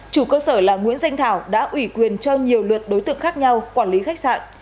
chủ cơ sở là nguyễn danh thảo đã ủy quyền cho nhiều lượt đối tượng khác nhau quản lý khách sạn